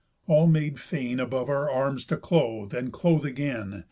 All made feign Above our arms to clothe, and clothe again.